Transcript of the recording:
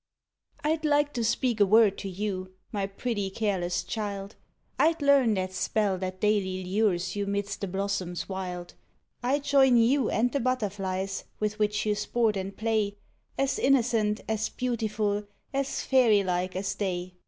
_ I'd like to speak a word to you, my pretty, careless child! I'd learn the spell that daily lures you 'midst the blossoms wild, I'd join you and the butterflies with which you sport and play, As innocent, as beautiful, as fairy like as they.